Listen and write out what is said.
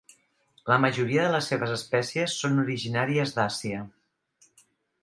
La majoria de les seves espècies són originàries d'Àsia.